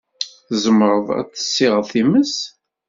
Tzemred ad d-tessiɣed times?